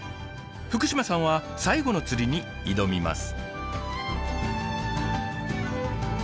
福島さんは最後の釣りに挑みます。